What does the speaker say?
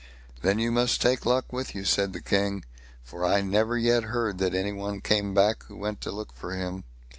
"Then you must take luck with you", said the King, "for I never yet heard that any one came back who went to look for him.